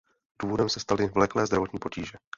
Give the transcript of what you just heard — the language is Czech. Důvodem se staly vleklé zdravotní potíže.